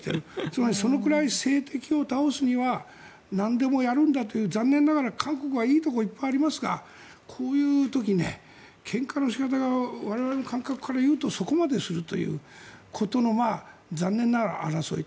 つまりそのくらい政敵を倒すにはなんでもやるんだという残念ながら韓国はいいところはいっぱいありますがこういう時けんかの仕方が我々の感覚からするとそこまでするということの残念ながら、争い。